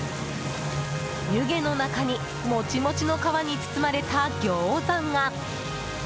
湯気の中に、もちもちの皮に包まれたギョーザが。